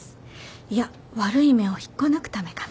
いや悪い芽を引っこ抜くためかな。